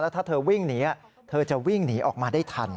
ถ้าเธอวิ่งหนีเธอจะวิ่งหนีออกมาได้ทัน